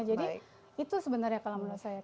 jadi itu sebenarnya kalau menurut saya